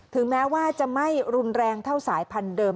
แม้ว่าจะไม่รุนแรงเท่าสายพันธุเดิม